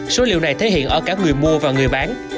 số liệu này thể hiện ở cả người mua và người bán